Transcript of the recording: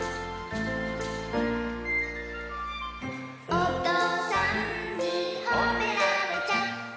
「おとうさんにほめられちゃった」